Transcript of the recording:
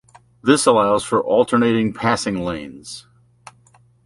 This allows for alternating passing lanes.